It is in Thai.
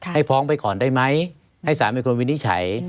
ให้ฟ้องไปก่อนได้ไหมให้สารเป็นคนวินิจฉัย